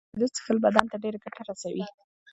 د شېدو څښل بدن ته ډيره ګټه رسوي.